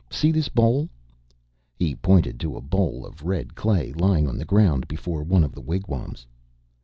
See this bowl?" He pointed to a bowl of red clay lying on the ground before one of the wigwams.